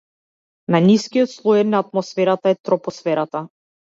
Најнискиот слој на атмосферата е тропосферата.